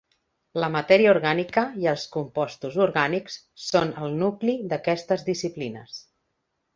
La matèria orgànica i els compostos orgànics són el nucli d'aquestes disciplines.